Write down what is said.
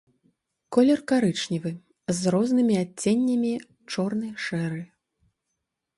Колер карычневы з рознымі адценнямі, чорны, шэры.